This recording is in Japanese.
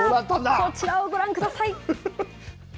こちらをご覧ください。